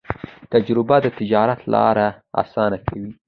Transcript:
تجربه د تجارت لارې اسانه کوي.